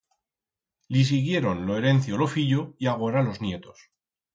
Li siguieron lo herencio lo fillo, y agora los nietos.